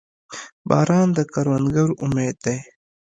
• باران د کروندګرو امید دی.